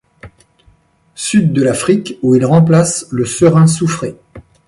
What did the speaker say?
Sud de l’Afrique où il remplace le serin soufré.